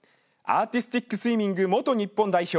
アーティスティックスイミング元日本代表